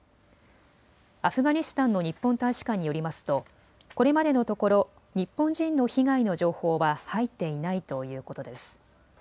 アフガニスタンの日本大使館によりますとこれまでのところ日本人の被害の情報は入っていないということです。